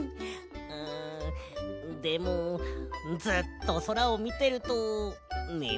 うんでもずっとそらをみてるとねむくなりそう。